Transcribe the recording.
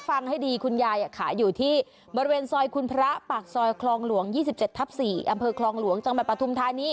อันเคราะห์คลองหลวงจังหมาตรปทุมธานิ